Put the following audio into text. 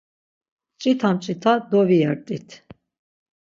Mç̌ita mç̌ita doviyert̆it.